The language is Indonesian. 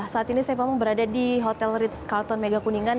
saat ini saya memang berada di hotel ritz carton mega kuningan